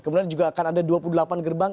kemudian juga akan ada dua puluh delapan gerbang